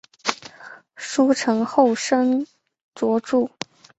书成后升授着作。